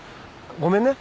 ごめんね。